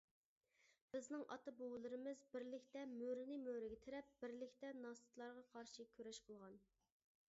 بىزنىڭ ئاتا-بوۋىلىرىمىز بىرلىكتە مۈرىنى مۈرىگە تىرەپ بىرلىكتە ناتسىستلارغا قارشى كۈرەش قىلغان.